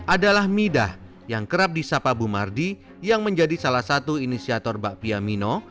adalah midah yang kerap disapa bumardi yang menjadi salah satu inisiator bakpia mino